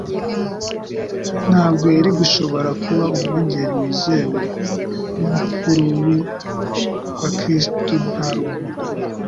ntabwo yari gushobora kuba umwungeri wizewe w'umukurubi wa Kristo nta rukundo rwe.